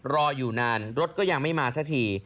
รออยู่นานรถก็ยังไม่มาสักที